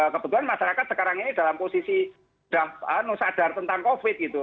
kebetulan masyarakat sekarang ini dalam posisi sudah sadar tentang covid gitu